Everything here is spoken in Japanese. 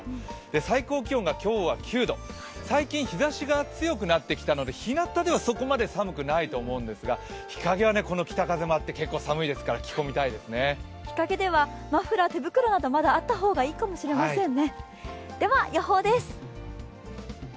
最高気温が今日は９度最近、日ざしが強くなってきたので日なたでは、そこまで寒くないと思うんですが日陰はこの北風もあって結構寒いですから日陰ではマフラー、手袋などまだあった方がいいかもしれませんね。